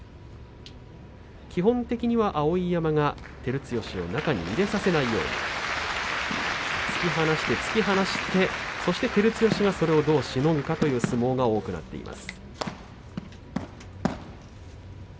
基本的には碧山が照強を中に入れさせないよう突き放して、突き放してそして照強がそれをどうしのぐかという相撲が多くなっています。